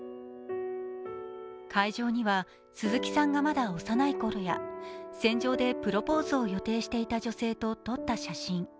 会場には鈴木さんがまだ幼いころや船上でプロポーズを予定していた女性と撮った写真。